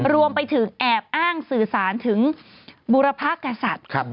รวมไปถึงแอบอ้างสื่อสารถึงบุรพกษัตริย์